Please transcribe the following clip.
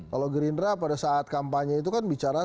kalau gerindra pada saat kampanye itu kan bicara